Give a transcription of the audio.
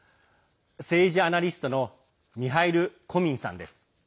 政治アナリストのミハイル・コミンさんです。